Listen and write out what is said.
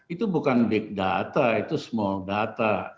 itu bukan big data itu small data